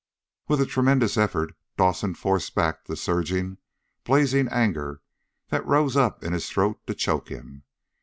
With a tremendous effort Dawson forced back the surging, blazing anger that rose up in his throat to choke him.